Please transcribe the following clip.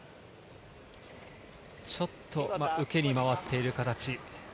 ちょっと受けに回っている形。